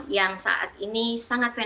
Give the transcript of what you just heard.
yang saat ini sangat keren sangat keren